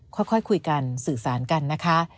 ค่อยคุยกันสื่อสารกันนะคะ